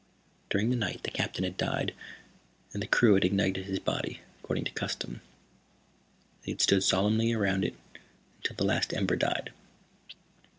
During the night the Captain had died, and the crew had ignited his body, according to custom. They had stood solemnly around it until the last ember died.